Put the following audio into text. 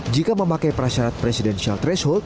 jika memakai prasyarat presidential threshold